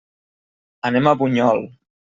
Anem a Bunyol.